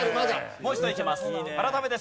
もう一度いけます。